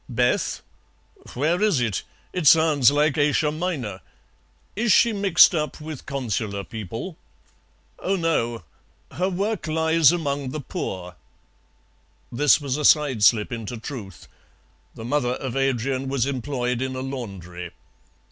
"Beth? Where is it? It sounds like Asia Minor. Is she mixed up with Consular people?" "Oh, no. Her work lies among the poor." This was a side slip into truth. The mother of Adrian was employed in a laundry.